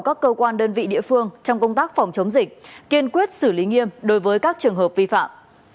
các cơ quan đơn vị địa phương trong công tác phòng chống dịch kiên quyết xử lý nghiêm đối với các trường hợp vi phạm